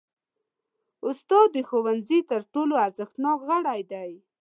استاد د ښوونځي تر ټولو ارزښتناک غړی دی.